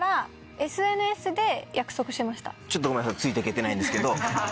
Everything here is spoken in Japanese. ちょっとごめんなさいついて行けてないんですけど。